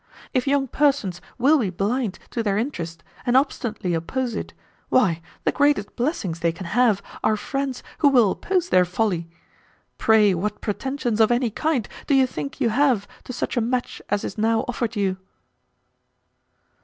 If young persons will be blind to their interest, and obstinately oppose it, why, the greatest blessings they can have are friends, who will oppose their folly. Pray what pretensions of any kind do you think you have to such a match as is now offered you?"